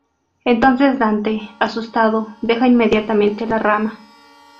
Entonces Dante, asustado, deja inmediatamente la rama.